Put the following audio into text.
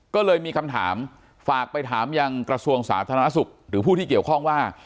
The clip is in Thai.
ก็เลยมีคำถามฝากไปถามยังกระทรวงสาธารณสุขหรือผู้ที่เกี่ยวข้องว่า